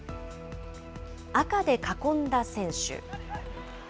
赤で囲んだ選手。